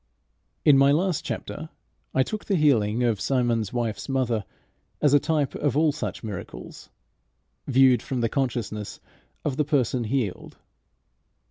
In my last chapter I took the healing of Simon's wife's mother as a type of all such miracles, viewed from the consciousness of the person healed.